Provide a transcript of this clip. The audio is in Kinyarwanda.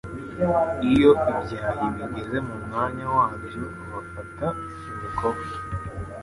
Iyo ibyahi bigeze mu mwanya wabyo bafata imikoba